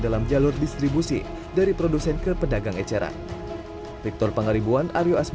dalam jalur distribusi dari produsen ke pedagang eceran